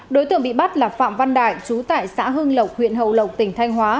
đối tượng bị bắt là phạm văn đại chú tại xã hưng lộc huyện hậu lộc tỉnh thanh hóa